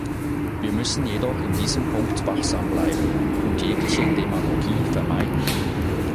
Wir müssen jedoch in diesem Punkt wachsam bleiben und jegliche Demagogie vermeiden.